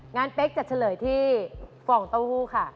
งั้นเป๊กจะเฉลยที่ฟองเต้าหู้ค่ะ